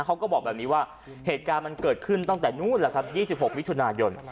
เขาก็บอกแบบนี้ว่าเหตุการณ์มันเกิดขึ้นตั้งแต่นู้นแหละครับ๒๖มิถุนายน